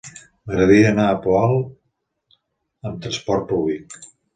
M'agradaria anar al Poal amb trasport públic.